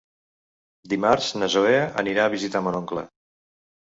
Dimarts na Zoè anirà a visitar mon oncle.